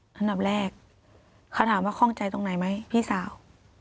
อันดับแรกเขาถามว่าข้องใจตรงไหนไหมพี่สาว